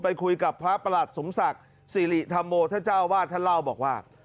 ไปคุยกับพระประหลัดสมศักดิ์สิริธรรมโมท่านเจ้าวาดท่านเล่าบอกว่า